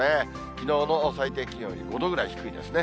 きのうの最低気温より５度くらい低いですね。